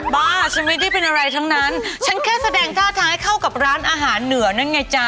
บ้าฉันไม่ได้เป็นอะไรทั้งนั้นฉันแค่แสดงท่าทางให้เข้ากับร้านอาหารเหนือนั่นไงจ๊